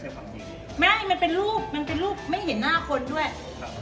จะบอกว่าไม่ใช่ความที่ยังไงไม่มันเป็นรูปมันเป็นรูปไม่เห็นหน้าคนด้วยครับ